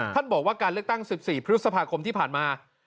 ท่านบอกว่าการเลือกตั้ง๑๔พฤษภาคมที่ผ่านมา